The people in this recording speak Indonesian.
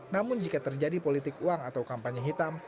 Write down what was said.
namun jika terjadi politik uang atau kampanye hitam